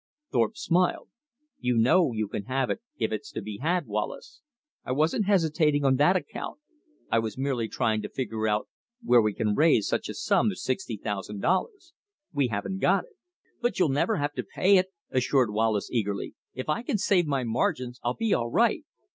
Thorpe smiled. "You know you can have it, if it's to be had, Wallace. I wasn't hesitating on that account. I was merely trying to figure out where we can raise such a sum as sixty thousand dollars. We haven't got it." "But you'll never have to pay it," assured Wallace eagerly. "If I can save my margins, I'll be all right."